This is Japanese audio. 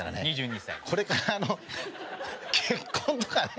これから結婚とかね